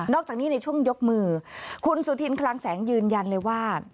จากนี้ในช่วงยกมือคุณสุธินคลังแสงยืนยันเลยว่า